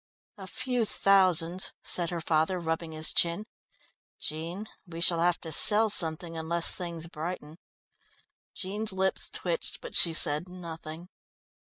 "A few thousands," said her father, rubbing his chin. "Jean, we shall have to sell something unless things brighten." Jean's lips twitched, but she said nothing.